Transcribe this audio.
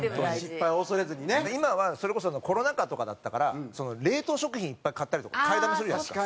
今はそれこそコロナ禍とかだったから冷凍食品いっぱい買ったりとか買いだめするじゃないですか。